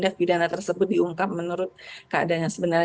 jadi jadi hal ini sudah diungkap keadaannya sebenarnya